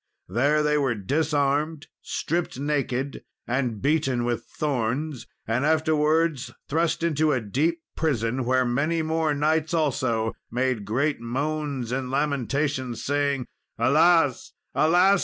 There they were disarmed, stripped naked, and beaten with thorns, and afterwards thrust into a deep prison, where many more knights, also, made great moans and lamentations, saying, "Alas, alas!